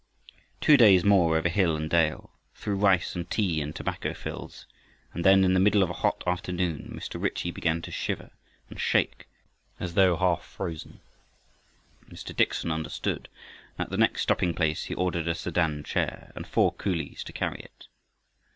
Two days more over hill and dale, through rice and tea and tobacco fields, and then, in the middle of a hot afternoon, Mr. Ritchie began to shiver and shake as though half frozen. Dr. Dickson understood, and at the next stopping place he ordered a sedan chair and four coolies to carry it.